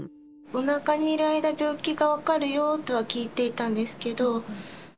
おなかにいる間、病気が分かるよとは聞いていたんですけど。